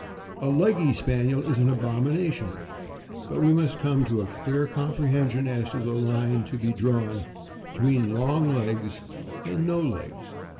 A leggy Spaniel is an abomination, but we must come to a clear comprehension as to the line to be drawn between 4 ' long legs '' and ' 4 no legs.